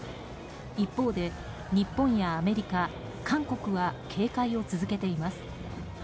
一方で日本やアメリカ韓国は警戒を続けています。